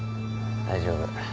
大丈夫。